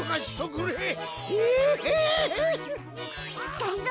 がりぞー